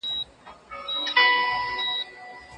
د اوبو چښل د بدن د پوره روغتیا لپاره تر ټولو لوی بنسټ دی.